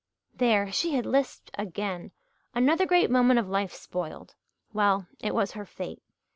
There! She had lisped again. Another great moment of life spoiled! Well, it was her fate.